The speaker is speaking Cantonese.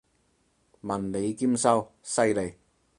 文理兼修，犀利！